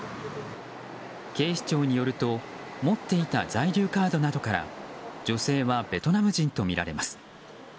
警視庁によると持っていた在留カードなどから女性はベトナム人とみられます。